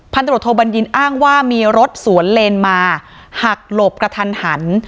ตรวจโทบัญญินอ้างว่ามีรถสวนเลนมาหักหลบกระทันหัน